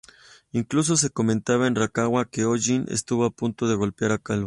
Incluso se comentaba en Rancagua que O'Higgins estuvo a punto de golpear a Calvo.